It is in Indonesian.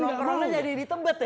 nol corona jadi ditebet ya